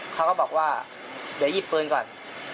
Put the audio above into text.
เขาก็บอกว่าเดี๋ยวหยิบปืนก่อน